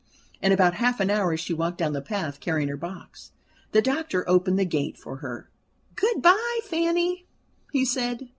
In about half an hour she walked down the path carrying her box. The doctor opened the gate for her. "Good bye, Fanny," he said.